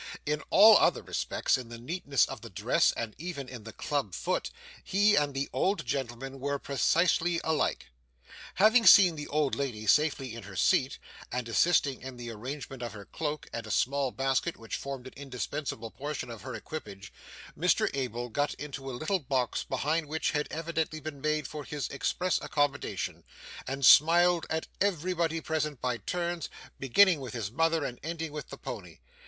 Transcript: In all other respects, in the neatness of the dress, and even in the club foot, he and the old gentleman were precisely alike. Having seen the old lady safely in her seat, and assisted in the arrangement of her cloak and a small basket which formed an indispensable portion of her equipage, Mr Abel got into a little box behind which had evidently been made for his express accommodation, and smiled at everybody present by turns, beginning with his mother and ending with the pony.